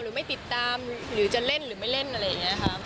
หรือไม่ติดตามหรือจะเล่นหรือไม่เล่นอะไรอย่างนี้ค่ะ